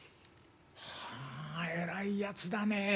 はあえらいやつだね。